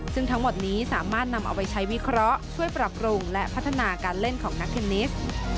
ซึ่งทั้งหมดนี้สามารถนำเอาไปใช้วิเคราะห์ช่วยปรับปรุงและพัฒนาการเล่นของนักเทนนิส